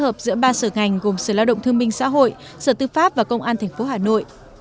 thủ tục đơn giản đã được phối hợp giữa ba sở ngành gồm sở lao động thương minh xã hội sở tư pháp và công an tp hà nội